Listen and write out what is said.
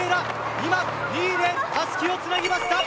今２位でたすきをつなぎました。